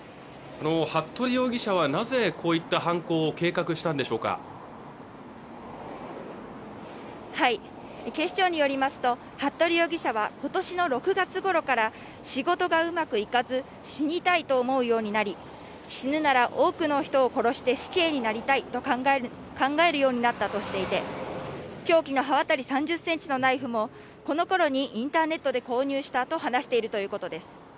服部容疑者はなぜこういった犯行を計画したんでしょうか警視庁によりますと服部容疑者は今年の６月ごろから仕事がうまくいかず死にたいと思うようになり死ぬなら多くの人を殺して死刑になりたいと考える考えるようになったとしていて凶器の刃渡り３０ｃｍのナイフもこの頃にインターネットで購入したと話しているということです